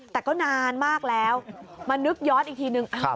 แต่ก็นานมากแล้วมานึกย้อนอีกทีนึง